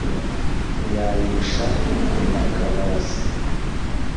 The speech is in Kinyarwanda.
ntiyayirusha impakabarasi